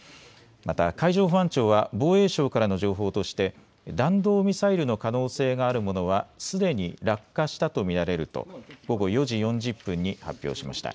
また海上保安庁は防衛省からの情報として弾道ミサイルの可能性があるものはすでに落下したと見られると午後４時４０分に発表しました。